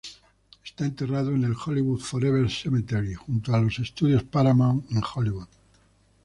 Está enterrado en el Hollywood Forever Cemetery, junto a los estudios Paramount, en Hollywood.